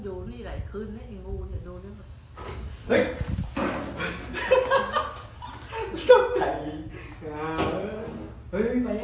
ตอนนี้ก็ไม่มีเวลาให้กลับไปแต่ตอนนี้ก็ไม่มีเวลาให้กลับไป